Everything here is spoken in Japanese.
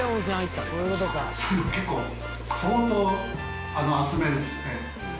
結構、相当熱めですね。